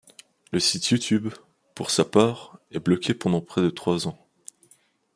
Le site YouTube, pour sa part, est bloqué pendant près de trois ans.